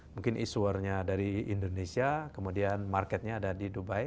mungkin issuernya dari indonesia kemudian marketnya ada di dubai